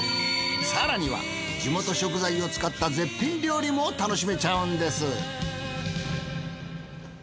更には地元食材を使った絶品料理も楽しめちゃうんです。